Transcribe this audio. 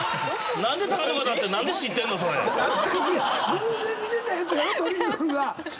偶然見てたやつやろ⁉トリンドルが。